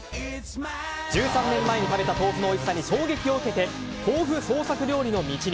１３年前に食べた豆腐のおいしさに衝撃を受けて豆腐創作料理の道に。